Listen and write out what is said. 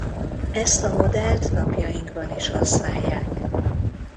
Ezt a modellt napjainkban is használják.